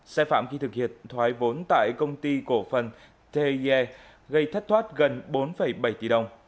sai phạm khi thực hiện thoái vốn tại công ty cổ phần the gây thất thoát gần bốn bảy tỷ đồng